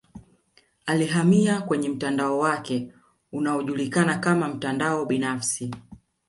Alihamia kwenye mtandao wake unaojulikana kama mtandao binafsi